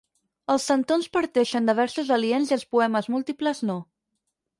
Els centons parteixen de versos aliens i els poemes múltiples no.